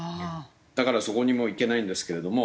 だからそこにも行けないんですけれども。